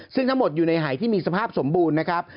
ซึ่งทั้งหมดอยู่ในหายที่มีสภาพสมบูรณ์นะครับ